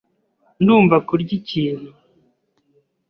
Ndumva kurya ikintu.